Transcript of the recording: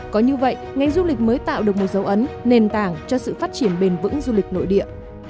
có như vậy ngành du lịch mới tạo được một dấu ấn nền tảng cho sự phát triển bền vững du lịch nội địa